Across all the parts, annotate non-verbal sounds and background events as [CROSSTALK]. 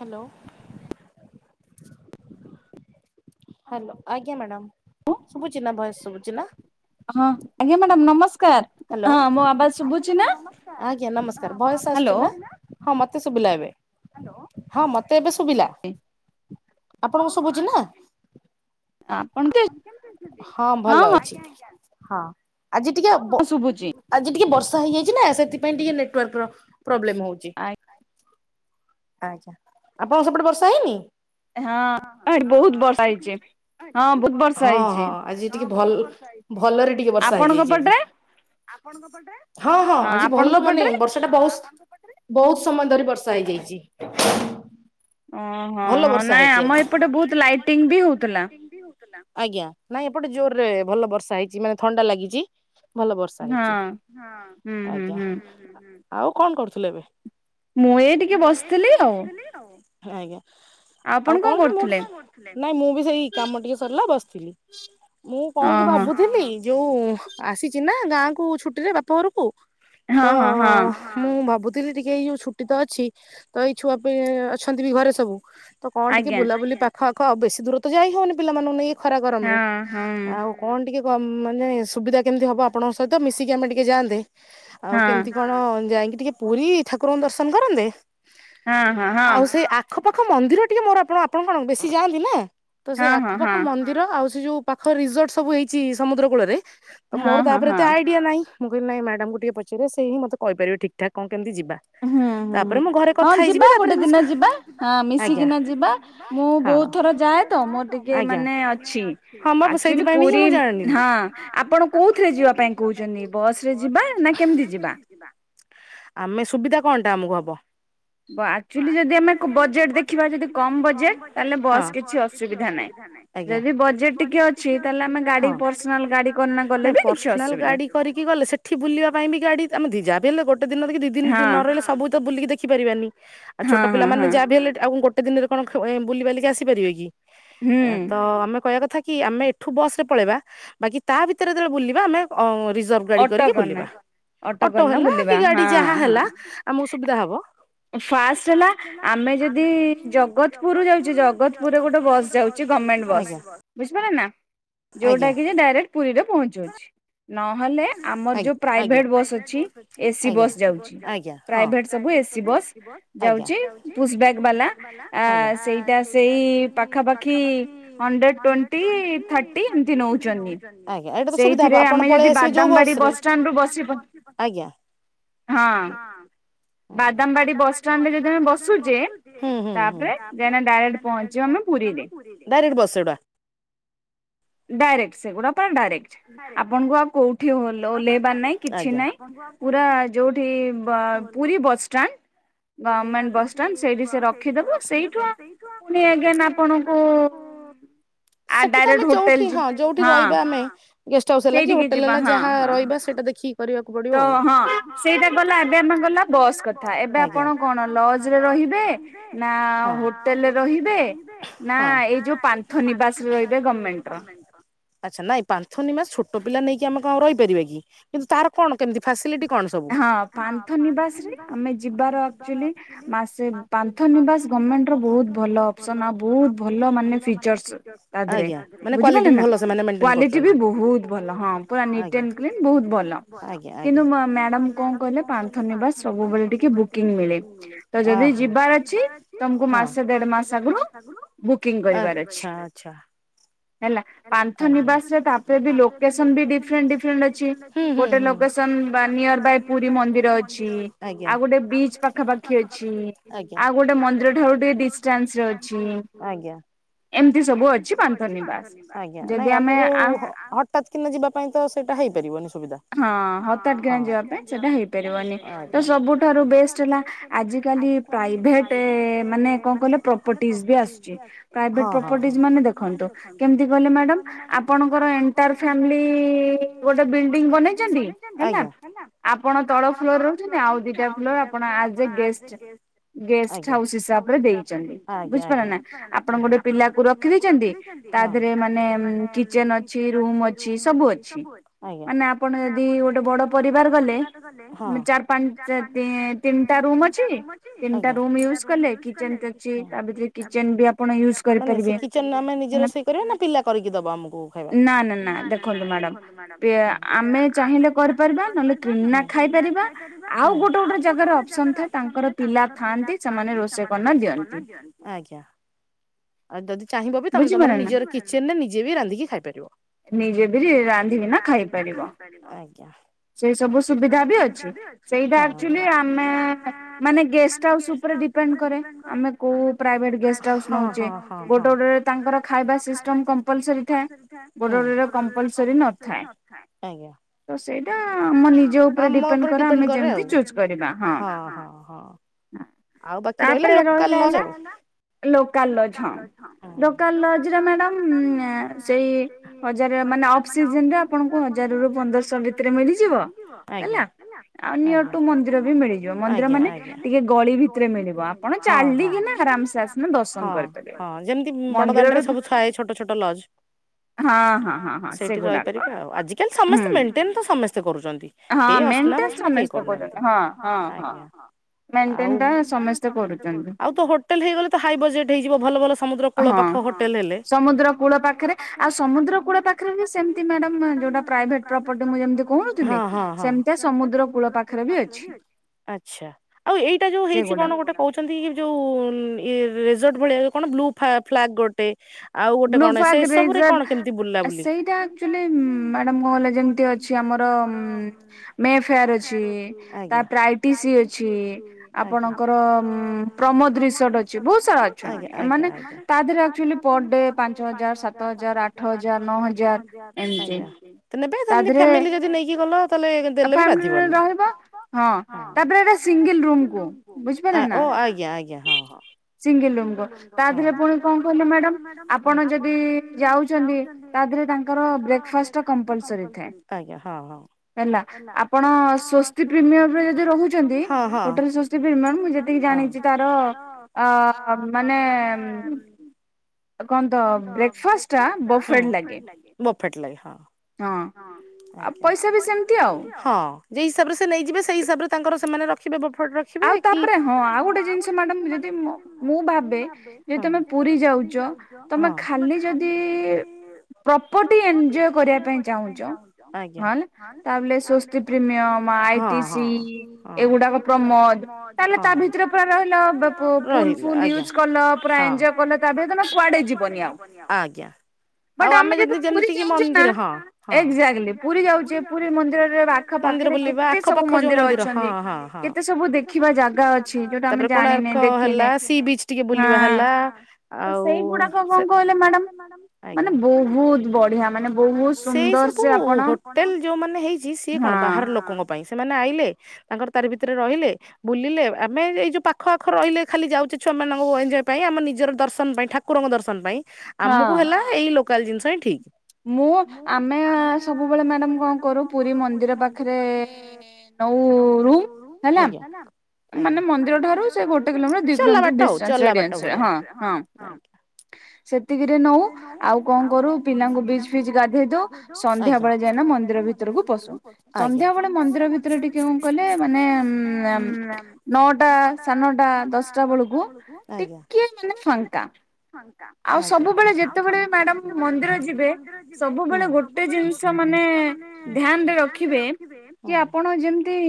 Hello hello ଆଜ୍ଞା madam ଶୁଭୁଛି ନା ଭଏସ ଶୁଭୁଛି ନା? ହଁ ଆଜ୍ଞା ମ୍ୟାଡାମ ନମସ୍କା ହାଲୋ ଆଜ୍ଞା ନମସ୍କାର। ଭଏସ ଆସୁଛି ନା? ହଁ ମତେ ଶୁଭିଲା ଏବେ। ହଁ ମତେ ଏବେ ଶୁଭିଲା। ଆପଣଙ୍କୁ ଶୁଭୁଛି ନା? ହଁ ଭଲ ଅଛି। ହଁ। ଆଜି ଟିକେ ଅବୋ ଆଜି ଟିକେ ବର୍ଷା ର୍ଷା ହେଇଯାଇଛି ନା ସେଥିପାଇଁ ଟିକେ ନେଟୱାର୍କର ପ୍ରୋବ୍ଲେମ ହଉଛି। ଆଚ୍ଛା। ଆପଣଙ୍କ ସେପଟେ ବର୍ଷା ହେଇନି? ହଁ ଆଡେ ବହୁତ ବର୍ଷା ହେଇଛି। ହଁ ବହୁତ ବର୍ଷା ହେଇଛି। ଭଲ ଭଲରେ ଟିକେ ବର୍ଷା ହେଇଯାଇଛି ଆଜି। ଆପଣଙ୍କପଟେ? ହଁ -ହଁ ଆଜି ଭଲ ମାନେ ବର୍ଷା ଟା ବହୁତ ବହୁତ ସମୟ ଧରି ବର୍ଷା ହେଇଯାଇଛି। [UNINTELLIGIBLE] ଅଁ ହ ହଁ ନାଇଁ ଆମ ଏପଟେ ବହୁତ ଲାଇଟିଙ୍ଗ ବି ହଉଥିଲା। ଆଜ୍ଞା। ନାଇଁ ଏପଟେ ଜୋରରେ ଭଲ ବର୍ଷା ହେଇଛି, ମାନେ ଥଣ୍ଡା ଲାଗିଛି ଭଲ ବର୍ଷା ହେଇଛି, ଆଜ୍ଞା। ଆଉ କଣ କରୁଥିଲ ଏବେ? ମୁଁ ଏଇ ଟିକେ ବସିଥିଲି ଆଉ। ଆଜ୍ଞା। ଆଉ କଣ କି? ନାଇଁ ମୁଁ ବି ସେଇ କାମ ଟିକେ ସରିଲା ବସିଥିଲି। ମୁଁ କଣ କି ଭାବୁଥିଲି, ଯୋଉ ଆସିଛି ନା? ଗାଁ କୁ ଛୁଟି ରେ ବାପ ଘର କୁ ତ ଅ - ଅ - ଅ - ଅ ମୁଁ ଭାବୁ ଥିଲି ଟିକେ ଏଇ ଯୋଉ ଛୁଟି ତ ଅଛି, ତ ଏଇ ଛୁଆ ପି ଅଛନ୍ତି ବି ଘରେ ସବୁ। ତ କଣ ଟିକେ ବୁଲାବୁଲି ପାଖଆଖ, ବେଶୀ ଦୂର ତ ଯାଇ ହଉନି ପିଲା ମାନଙ୍କୁ ନେଇ। ଖରା ଗରମ ରେ ଆଉ କଣ ଟିକେ, ମାନେ ସୁବିଧା କେମିତି ହବ ଆପଣଙ୍କ ସହିତ ମିଶିକି ଆମେ ଟିକେ ଯାଆନ୍ତେ ଆଉ କେମିତି କଣ ଯାଇକି ଟିକେ ପୁରୀ ଠାକୁରଙ୍କୁ ଦର୍ଶନ କରନ୍ତେ ଆଉ ସେଇ ଆଖ ପାଖ ମନ୍ଦିର ଟିକେ ମୋର ଆପଣ ଆପଣ କଣ ବେଶୀ ଯାଆନ୍ତି ନା। ତ ସେ ଆଖପାଖ ମନ୍ଦିର ଆଉ ଯୋଉ ପାଖରେ ରିଜର୍ଟ ସବୁ ହେଇଛି ସମୁଦ୍ର କୂଳରେ ତ ମୋର ତାପରେ ଏତେ ଆଇଡିଆ ନାହିଁ। ମୁଁ କହିଲି ନାଇଁ ମ୍ୟାଡ଼ାମଙ୍କୁ ଟିକେ ପଚାରିବା ସେଇ ହିଁ ମତେ କହିପାରିବେ ଠିକ ଠାକ କଣ ହୁଁ ହୁଁ ହୁଁ ହଁ ଯିବା ଗୋଟେ ଦିନ ଯିବା ମିଶି ଆସିକିନା ଯିବା ମୁଁ ବହୁତ ଥର ଯାଏ ତ ମୋର ଟିକେ ମାନେ ଅଛି ଆକ୍ଚୁଆଲି ପୁରୀ ହଁ ଆପଣ କୋଉଥିରେ ଯିବା ପାଇଁ କହୁଛନ୍ତି ବସରେ ଯିବା ନା କେମତି ଯିବା? ଆମେ ସୁବିଧା କଣ ଟା ଆମକୁ ହବ। ଆକ୍ଚୁଆଲି ଯଦି ଆମେ ବଜେଟ୍ ଦେଖିବା ଯଦି କମ୍ ବଜେଟ୍ ହଁ ତାହେଲେ ବସରେ କିଛି ଅସୁବିଧା ନାହିଁ ଆଜ୍ଞା ଯଦି ବଜେଟ୍ ଟିକେ ଅଛି ତାହେଲେ ଆମେ ଗାଡ଼ି ବସ୍ ନ ଗାଡ଼ି ନାଇଁ ପର୍ସନାଲ ଗାଡ଼ି କରିକି ଗଲେ ସେଠି ବୁଲିବା ପାଇଁ ବି ଗାଡ଼ି ଆମେ ଦି ଯା ବିଲ ଗୋ ଗୋଟେଦିନ କି ଦି ଦିନ ନ ରହିଲେ ସବୁ ତ ବୁଲିକି ଦେଖି ପାରିବାନି ଆଉ ଛୋଟ ପିଲାମାନେ ଯାହାବି ହେଲେ ଗୋଟେ ଦିନରେ କଣ ବୁଲି ବାଲି ଆସିପାରିବେ କି ତ ଆମେ କହିବା କଥା କଥା କି ଆମେ ଏଠୁ ବସରେ ପଳେଇବା, ବାକି ତା ଭିତରେ ଯେତେବେଳେ ବୁଲିବା ଆମେ ରିଜର୍ଭ ଗାଡି କରିକି ବୁଲିବା। ଅଟୋ ହେଲା କି ଗାଡି ଯାହା ହେଲା ଆମକୁ ସୁବିଧା ହବ ଫାଷ୍ଟ ହେଲା ଆମେ ଯି ଜଗତପୁର ଯାଉଛି ଜଗତପୁରରେ ଗୋଟେ ବସ୍ ଯାଉଛି ଗମେଣ୍ଟ ବସ୍ ବୁଝିପାରିଲେ ନା ଯୋଉଟା କି ଯେ ଡାଇରେକ୍ଟ ପୁରୀରେ ପହଞ୍ଚଉଛି। ନହେଲେ ଆମର ଯୋଉ ପ୍ରାଇଭେଟ ବସ୍ ଅଛି ଏସିି ବସ୍ ଯାଉଛି ପ୍ରାଇଭେଟ ସବୁ ଏସି ସବୁ ଏସି ବସ୍ ଆଜ୍ଞା ଯାଉଛି ପୁସବ୍ୟାକ ବାଲା ଆଜ୍ଞା ସେଇଟା ସେଇ ପାଖାପାଖି ହଣ୍ଡ୍ରେଡ୍ ଟୋଣ୍ଟି ଥର୍ଟି ଏମତି ନଉଚନ୍ତି ଆଜ୍ଞା ଏଇଟା ତ ସୁବିଧା ହବ ଆପଣ ପଳେଇଆସିବେ ବାଦାମବାଡ଼ି ବସ୍ ଷ୍ଟାଣ୍ଡରୁ ବସିବ, ହଁ। ବାଦାମବାଡ଼ି ବସ୍ ଷ୍ଟାଣ୍ଡରେ ଯଦି ଆମେ ବସୁଚେ ହୁଁ ହୁଁ ହୁଁ ତାପରେ ଏଇନା ଡାଇରେକ୍ଟ ପହଞ୍ଚିଯିବ ଆମେ ପୁରୀରେ ଡାଇରେକ୍ଟ ବସ୍ ସେଗୁଡା? ଡାଇରେକ୍ଟ ସେଗୁଡ଼ା। ଡାଇରେକ୍ଟ ଆପଣଙ୍କୁ ଆଉ କୋଉଠି ଓହ୍ଲେଇବାର ନାଇଁ କିଛି ନାହିଁ ପୁରା ଯୋଉଠି ବା ପୁରୀ ବସ ଷ୍ଟାଣ୍ଡ। ଓଲ୍ହେଇବା ଯୋଉଠି ସେଠି ସେ ରଖିଦବ ସେଇଠୁଁ ଏଗେନ ଆପଣଙ୍କୁ ସେଠୁଁ ତ ଆମେ ଯୋଉ ହଁ ଯୋଉଠି ରହିବା ଆମେ ଗେଷ୍ଟ ହାଉସ ହେଲା କି ହୋଟେଲ ହେଲା ଯାହା ରହିବା ସେଇଟା ଦେଖିକି ତ ହଁ ସେଇଟା ଗଲା ଏବେ ଆମେ ଗଲା ବସ୍ କଥା ଏବେ ଏବେ ଆପଣ କଣ ଲଜରେ ରହିବେ ନା ହୋଟେଲରେ ରହିବେ ନା ଏଇ ଯୋଉ ପାନ୍ଥ ନିବାସରେ ରହିବେ ଗରମେଣ୍ଟର? ଆଚ୍ଛା ନାଇଁ ପାନ୍ଥନୀମାସ ଛୋଟ ପିଲା ନେଇକି ଆମେ କଣ ରହିପାରିବା କି କିନ୍ତୁ ତାର କଣ କେମିତି ଫାସିଲିଟି କଣ ସବୁ? ଆମେ ଯିବାର ଆକଚୁଆଲି ମାସେ, ପାନ୍ଥ ନିବାସ ଗଭମେଣ୍ଟ ର ବହୁତ ଭଲ ଅପ୍ସନ ଆଉ ବହୁତ ଭଲ ମାନେ ଫିଚର୍ସ ଆଜ୍ଞା କ୍ୱାଲିଟି ବି ଭଲ ସେମାନେ ମେଣ୍ଟେନ କରୁଛନ୍ତି, କ୍ୱାଲିଟି ବି ବହୁତ ଭଲ ପୁରା ନିଟ ଏଣ୍ଡ କ୍ଲିନ ଆଜ୍ଞା ଆଜ୍ଞା। ବହୁତ ଭଲ ମୁଁ କଣ କହିଲେ ପାନ୍ଥନିବାସ ସବୁବେଳେ ଟିକେ ବୁକିଂ ମିଳେନି, ଯଦି ଯିବାର ଅଛି ତମକୁ ମାସେ ଦେଢ଼ ମାସେ ଆଗରୁ ବୁକିଂ କରିବାର ଅଛି ହେଲା ପାନ୍ଥ ନିବାସ ଲୋକେସନ ବି ଡିଫରେଣ୍ଟ ଡିଫରେଣ୍ଟ ଅଛି ହୁଁ ହୁଁ ଗୋଟେ ଲୋକେସନ ବାଏ ପୁରୀ ମନ୍ଦିର ଅଛି। ଆମେ ଯୋଉ ହଠାତ କିନା ଯିବା ପାଇଁ ତ ସେଇଟା ହେଇପାରିବନି। ସେଇଟା ହେଇପାରିବନି ତ ସବୁ ସୁଠାରୁ ହେଲା ଆାଲି ପ୍ରେଟ ମାନେ କଣ କହିଲୁମ କିଲ ଆପଣଙ୍କର ଗୋଟେ ବ ବେଇ ଆପଣ ତଳ ଫ୍ଲୋରେ ରହୁଛନ୍ତି ଆଉ ଆଉ ଦିଟା ଫ୍ଲୋରି ବୁଝପ ନା ଆପଣ ଗୋଟେ ପିଲାକୁ ରଖିଦଛନ୍ତି ତା ଦେହରେ ମାନେ କିଚେନ ଅଛି ରୁ ଅଛି ସବୁ ଅଛି ମାନେ ଆପଣ ଯଦି ଗଟେ ପରିବାର ଗଲେ ଚାରି ପାଞ୍ଚ ତିନିଟା ରୁମ୍ ଅଛି ତିନିଟା ରୁମ୍ ଉଜ କଲେ ତାପରେ ସେ କିଚେନ୍, ସେ କିଚେନ ରେ ଆମେ ନିଜେ ରୋଷେଇ କରିବା ନା ପିଲା କରିକି ଦେବ ଆମକୁ ଖାଇବା, ନା ନା ଦେଖନ୍ତୁ ମାଡ୍ୟାମ ଆମେ ଚାହିଁଲେ ନହେଲେ କି୍ରନା ଖାଇପାରିବା ଆଉ ଗୋଟେ ଗୋଟେ ଜାଗାରେ ଅନ୍ତା ତାଙ୍କର ପିଲା ଖାଆନ୍ତି ସେମାନେ ରୋଷେଇ କ ଦିଅନ୍ତି ଆଜ୍ଞା। ନିଜ କିଚେରେ ନିଜେ ବି ରାନ୍ଧିକି ଖାଇପାରବ ଆଜ୍ଞା। ସେ ସବୁ ସୁବିଧା ବି ଅଛି। ଆମୋନେ ଗେ ହ ଉପରେ ଡିପେଣ୍ଡ କରେ ଆମେ କୋଉ ପ୍ରାଇଭେଟ ଗେ ହାଉ ନଉଛେଟେ ଗୋଟଡରେ ତାଙ୍କର ଖାଇବା ଥାଏ ଗୋଟଏଟ ି ରହିଲ ଦାନ ସେଇଜ ମାନ ଆଣ ହଜାର ର ପନ୍ଦରହ ଭ ମିଳିଯିବ କୁ ମନ୍ଦିର ବି ମିଳିଯିବ। ମନ୍ଦିର ମାନେ ଟିକେ ଗଳି ଭିତରେ ମିଳିବ। ଆପଣ ଚାଲିକିନା ଆରାମ୍ ସେ ଆସିନେ ଦର୍ଶନ କରିପାରିବେ। ଯେମିତି ବଡ ଦାଣ୍ଡରେ ସବୁ ଥାଏ ଛୋଟ ଛୋଟ ଲଜ ସେଇଠି ରହିପାରିବେ। ଆଉ ଆଜିକାଲି ସମସ୍ତେ ମେଣ୍ଟେନ ତ ସମସ୍ତେ କରୁଛନ୍ତି। କେହି ଅସନା ବସ୍ନା କେହି କରୁନାହାଁନ୍ତି [UNINTELLIGIBLE] ଆଜ୍ଞା ଆଉ ତ ହୋଟେଲ ହେଇଗଲେ ହାଇ ବଜେଟ ହେଇଯିବ। ଭଲ ଭଲ ସମୁଦ୍ର କୁଳପାଖ ହୋଟେଲ୍ ହେଲେ। ସମୁଦ୍ର କୂଳ ପାଖରେ ଆଉ ସମୁଦ୍ର କୂଳ ପାଖରେ ହିଁ ସେମିତି ମ୍ୟାଡାମ ଯୋଉଟା ପ୍ରାଇଭେଟ ପ୍ରପର୍ଟି ମୁଁ ଯେମିତି କୋହୁଥିଲି। ହଁ ହଁ ସେମିତିଆ ମୁଦ୍ର ପାଖରେ ବି ଅଛି। ଆଛା ଆଉ ଏଇଟା ଯୋଉ ହେଇଛି। କଣ ଗୋଟେ କହୁଛନ୍ତି ଯୋଉ ଇଏ ରେ ରେଜଟ୍ ଭଳିଆ କଣ ଯୋଉ ବ୍ଲୁ ଫା ଫ୍ଲାଗ୍ ଗୋଟେ। ବ୍ଲୁ ଫାଗ୍ ରେଜଟ୍ ସେଇଟା ଆକ୍ଚୁଆଲି ମ ମ୍ୟାଡମ କଣ କହିଲ ଯେମତି ଅଛି ଆମର ମେ ଫେୟାର ଅଛି ତାପରେ ଆଟିସି ଅଛି। ଆପଣଙ୍କର ପ୍ରମୋଦ ରିସର୍ଟ ଅଛି। ବହୁତ ସାରା ଅଛନ୍ତି। ମାନ ତା ଦେହରେ ଆକ୍ଚୁଆଲି ପର ଡେ ପାଞ୍ଚ ହଜାର ସାତ ହଜାର ଆଠ ହଜାର ନଅ ହଜାର ଆଜ୍ଞା [UNINTELLIGIBLE] ନେ ସେମିତି ଫାମିଲି ଯଦି ନେଇକି ଗଲ ତାଲେ। ପାମିଲ ରହିବ। ହଁ ତାପରେସିଙ୍ଗିଲ୍ ରୁମକୁ ବୁଝିପାଇଲେନା। ହଁ ହଁ ସିଙ୍ଗଲ ରୁମ୍ କୁ ତା ଦିହରେ କଣ କହିଲେ ମ୍ୟାଡମ୍। ଆପଣ ଯଦି ଯାଉଛନ୍ତି। ତା ଦେହରେ ତାଙ୍କର ବ୍ରେକଫାଷ୍ଟ କମ୍ପଲସରି ଥାଏ ହେଲା। ଆପଣ ସ୍ୱସ୍ତି ପ୍ରିମିୟମରେ ଯଦି ରହୁଛନ୍ତି ହୋଟେଲ ସୋସତି ପ୍ରିମିୟର ମୁ ଯେତିକି ଜାଣିଚି। ଜାଣିଛି ତାର ଅ ମାନେ କଣ ତ ବ୍ରେକ୍ଫାଷ୍ଟ ଟା ହୁଁ ବଫେଟ୍ ଲାଗେ। ବଫେଟ୍ ଲାଗେ ହଁ ଆଜ୍ଞା ପଇସା ବି ସେମିତି ହଁ ଯେ ହିସାବରେ ସେ ନେଇଯିବେ ସେଇ ହିସାବରେ ତାଙ୍କ ର ସେମାନେ ରଖିବେ ବ ଫେଟ ରଖିବେ କି ଆଉ ତା ପରେ ହଁ ଆଉ ଗୋଟେ ଜିନିଷ ଯି ମୁଁ ଭାବେ ଯେ ତମେ ପୁରୀ ଯାଉଛ। ତମେ ଖାଲି ଯଦି ପ୍ରପରଲି ଏନ୍ଜାୟ କରିବା ପାଇଁ ଚାହୁଁଛ ଆଜ୍ଞା। ତାହେଲେ ସୋସ୍ତି ପ୍ରିମିୟମ ଆଇଟିସି ଏଗୁଡାକ ପ [UNINTELLIGIBLE] ପୁରୀ ମନ୍ଦିର ରେ ମନ୍ଦିର ବୁଲିବା ଆଖ ପାଖ ଯୋଉ ମନ୍ଦିର ହଁ ହଁ ହଁ। ହଁ କେତେ ସବୁ ଦେଖିବା ଜାଗା ଅଛି। ତାପରେ କୋଣାର୍କ ହେଲା ସି ବିଚ ଟିକେ ବୁଲିବା ହେଲା ଆଉ [UNINTELLIGIBLE] ସେଇ ସବୁ ହୋଟେଲ ଯୋଉ ମ ହେଇ ଯ ସିଏ କଣ ବାହାର ଲୋକଙ୍କ ପାଇଁ। ସେମାନେ ଆଇଲେ ତାଙ୍କର ତାରି ଭିତରେ ରହିଲେ। ବୁଲିଲେ ଆମେ ଏଇ ଯେଉଁ ପାଖ ଆଖ ରହିଲେ। ଖାଲି ଯାଉଛେ ଛୁଆମାନଙ୍କୁ ଏଞଜୟ ପାଇଁ ଆମେ ନିଜର ଦର୍ଶନ ପାଇଁ ଠାକୁରଙ୍କ ଦର୍ଶନ ପାଇଁ। ଆମକୁ ହେଲା ଏଇ ଲୋକ କାଲ୍ ଜିନିଷ ହିଁ ଠିକ୍। ମୁଁ ଆମେ ସବୁବେଳେ ମ୍ୟାଡାମ କଣ କରୁ। ପୁରୀ ମନ୍ଦିର ପାଖରେ ନଉ ରୁମ୍ ହେଲା। ମାନେ ମନ୍ଦିର ଠାରୁ ସେ ଗୋଟେ କିଲୋମିଟର, ଦି କିଲୋମିଟର ଡିଷ୍ଟାନ୍ସ, ରେଡିଆନ୍ସରେ ହଁ ହଁ। ସେତିକିରେ ନଉ ଆଉ କଣ କରୁ ପିଲାଙ୍କୁ ବିଚ୍ ଫିଚ ଗାଧେଇ ଦଉ। ସନ୍ଧ୍ୟା ବେଳେ ଯାଇନା ମନ୍ଦିର ଭିତରକୁ [INAUDIBLE] ନଅ ପସୁ। ଟା ସାଢେ ନଅ ଟା ଦଶଟା ବଳୁ କୁ। ଆଜ୍ଞା ସେଠି ଟିକେ ମାନେ। [INAUDIBLE] ଆଉ ସବୁବେଳେ ଯେତେବେଳେ ବି ମ୍ୟାଡାମ ମନ୍ଦିର ଯିବେ। ସବୁବେଳେ ଗୋଟେ ଜିନିଷ ମାନେ ଧ୍ୟା। ଧ୍ୟାନ୍‌ରେ ରଖିବେ। ହୁଁ।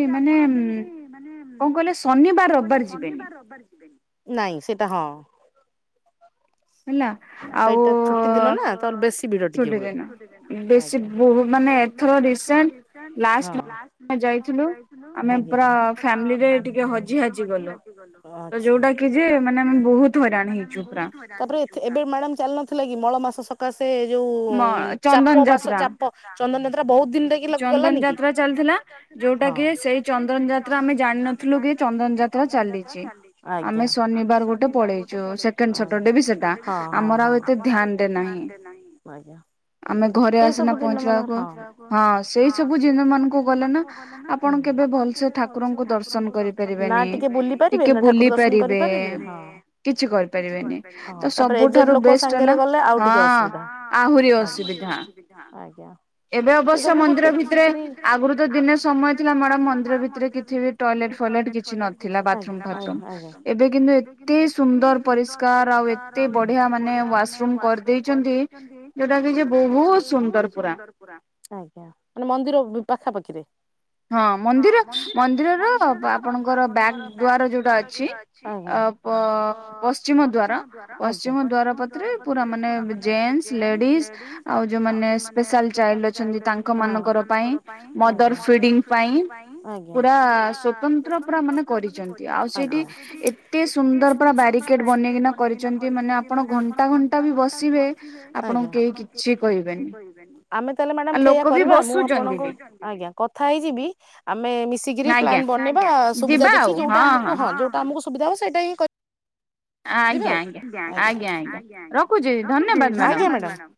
କି ଆପଣ ଯେମିତି ମାନେ କଣ କହିଲେ ଶନିବାର, ରବିବାର ଯିବେନି। ନାଇଁ ସେଇଟା ହଁ। ହେଲା ଆଉଉ ଚୁଟି ଦିନ। ବେଶୀ ବହୁ ମାନେ ଏଥର। [INAUDIBLE] ଏବେ ମ୍ୟାଡ଼ମ୍ ଚାଲି ନଥିଲା କି ମଳମାସ ସକା। ସେ ଯୋଉ ଉ ଚାପ ମାସ ଚାପ। ଚନ୍ଦନଯତ୍ରା ବହୁତ ଦିନ୍‌ରେ। ଚନ୍ଦନ ଯାତ୍ରା ଚାଲିଥିଲା। ଯଉଟା କି ସେଇ ଚନ୍ଦନ ଯାତ୍ରା ଆମେ ଜାଣିିନଥିଲୁ କି ଚନ୍ଦନ ଯାତ୍ରା ଚାଲିଛି। ଆମେ ଶନିବାର ଗୋଟେ ପଳେଇଛୁ। ସେକେଣ୍ଡେ ସଟର ଡେ ବି ସେଟା। ଆମର ଆଉ ଏତେ ଧ୍ୟାନ୍‌ରେ ନାହିଁ। ଆମେ ଘରେ ଆସିକି ନା ପହଞ୍ଚିବାକୁ ହଁ ସେଇ। ଏ ସବୁ ଜିନ ମାନଙ୍କୁ ଗଲେ ନା। ଆପଣ କେବେ ଭଲସେ ଠାକୁରଙ୍କୁ ଦର୍ଶନ କରିପାରିବେନି। ଟିକେ ବୁଲି ପାରିବେ। କିଛି କରିପାରିବେନି ତ ସବୁଠାରୁ ବେଷ୍ଟ ହେଲା। ହଁ। ଆହୁରି ଅସୁବିଧା। ଏବେ ଅବଶ୍ୟ ମନ୍ଦିର ଭି ରେ ଆଗରୁ ତ ଦିନେ ସମୟ ଥିଲା ମ୍ୟାଡାମ ମନ୍ଦିର ଭିତରେ କିଛି ବି ଟଏଲେଟ ଫଏଲେଟ କିଛି ନଥିଲା। ବାଥରୁମ ଫାଥରୁମ ଏବେ କିନ୍ତୁ ଏତେ ସୁନ୍ଦର ପରିଷ୍କାର ଆଉ ଏତେ ବଢିଆ ମାନେ ୱାସ ରୁମ୍ କରିଦେଇଛନ୍ତି। ଯୋଉଟା କି ଯେ ବହୁତ ସୁନ୍ଦର ପୁରା। ପୁରା ଆଜ୍ଞା। ମାନେ ମନ୍ଦିର ମ ପାଖାପାଖିରେ। ହଁ ମନ୍ଦିର ମନ୍ଦିରର ଆପଣଙ୍କର ବ୍ୟାକ୍ ଦୁଆର ଯୋଉଟା ଅଛି। ଅ ଅ ପଶ୍ଚିମ ଦ୍ୱାର ପଶ୍ଚିମ ଦ୍ୱାର କତିରେ ପୁରା ମାନେ ଜେଣ୍ଟସ, ଲେଡିଜ ଆଉ ଯୋଉମାନେ ସ୍ପେଶାଲ ଚାଇଲ୍ଡ ଅଛନ୍ତି। ତାଙ୍କ ମାନଙ୍କର ପାଇଁ ମଦରସ୍ ଆଜ୍ଞା ଆଜ୍ଞା ଆଜ୍ଞା ଆମେ ତାହାଲେ ମାଡାମ୍ ଠିଆ କରିବା ମୁଁ ଆପଣଙ୍କୁ ଆଜ୍ଞା। ଥାଇ ଯିବି କି ଆମେ ମିଶିକିରି ପ୍ଲାନ୍ ବନେଇବା, ଆ ସୁବିଧା ଦେଖି ଯୋଉଟା ଆମକୁ ହଁ ଯୋଉଟା। ସୁବିଧା ହବ ସେଇଟା ହିଁ କଥ ରଖୁଛି ଧନ୍ୟବାଦ୍।